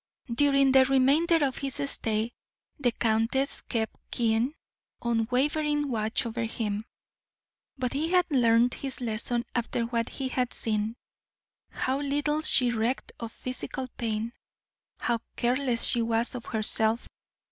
During the remainder of his stay the countess kept keen, unwavering watch over him, but he had learned his lesson after what he had seen. How little she recked of physical pain, how careless she was of herself.